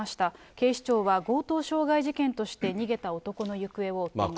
警視庁は強盗傷害事件として逃げた男の行方を追っています。